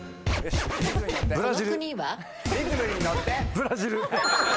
ブラジル！